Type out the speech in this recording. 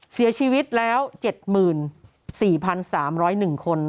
เสียชีวิตแล้ว๗๔๓๐๑คน